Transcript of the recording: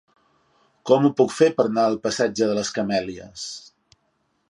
Com ho puc fer per anar al passatge de les Camèlies?